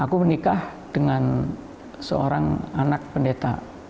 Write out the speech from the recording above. aku menikah dengan seorang anak pendeta